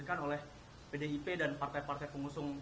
dan partai partai pengusung mas ganjar prof mahfud gitu